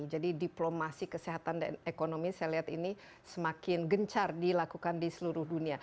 jadi diplomasi kesehatan dan ekonomi saya lihat ini semakin gencar dilakukan di seluruh dunia